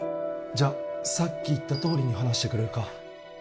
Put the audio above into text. じゃさっき言ったとおりに話してくれるか